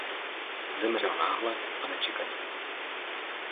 Zemřel náhle a nečekaně.